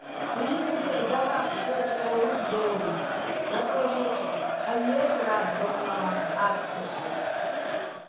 ინცგეჸ დაკახ ჰ̦ე́ჭყრევ უ̂ხ დო́გე̆, დაკრეშაჭ ჰ̦ალო̆ ჲე́წრა́ს დაკლავაჼ ჰ̦ა́თთეჸ.